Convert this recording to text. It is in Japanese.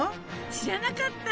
知らなかった！